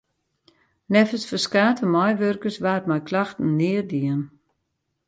Neffens ferskate meiwurkers waard mei klachten neat dien.